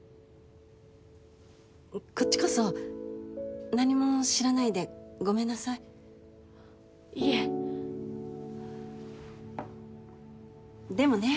こっちこそ何も知らないでごめんなさいいえでもね